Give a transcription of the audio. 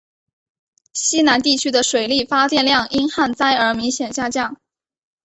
西南地区的水力发电量因旱灾而明显下降。